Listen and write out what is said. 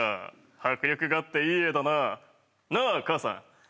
迫力があっていい絵だな。なぁかあさん」。